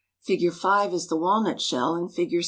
Fig. 5 is the walnut shell, and Fig.